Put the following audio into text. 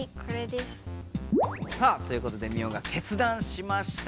さあということでミオが決断しました。